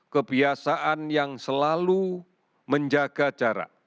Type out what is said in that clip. kebiasaan yang selalu menjaga jarak